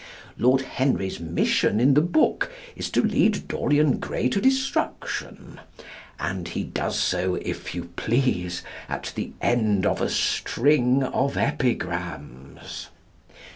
Lord Henry's mission in the book is to lead Dorian Gray to destruction; and he does so, if you please, at the end of a string of epigrams.